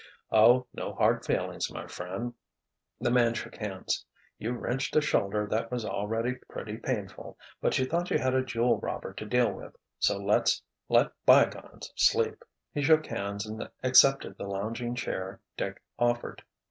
"Oh, no hard feelings, my friend," the man shook hands. "You wrenched a shoulder that was already pretty painful—but you thought you had a jewel robber to deal with, so let's let bygones sleep." He shook hands and accepted the lounging chair Dick offered.